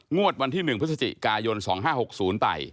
วันที่๑พฤศจิกายน๒๕๖๐ไป